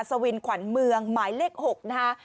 สวินขวัญเมืองหมายเลข๖นะคะ